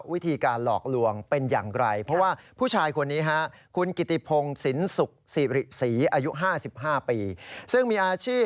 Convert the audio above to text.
วิธีการหลอกลวงเป็นอย่างไร